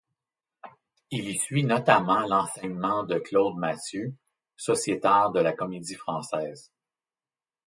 Il y suit notamment l’enseignement de Claude Mathieu, sociétaire de la Comédie-Française.